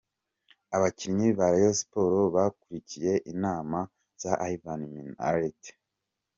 Abakinnyi ba Rayon Sports bakurikiye inama za Ivan Minaert.